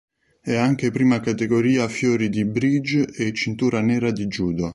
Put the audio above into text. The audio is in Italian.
È anche prima categoria fiori di bridge e cintura nera di judo.